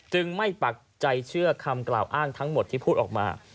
ไม่ปักใจเชื่อคำกล่าวอ้างทั้งหมดที่พูดออกมา